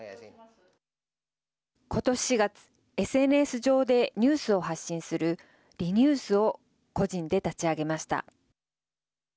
ことし４月ＳＮＳ上でニュースを発信するＲｅＮｅｗｓを個人で立ち上げました。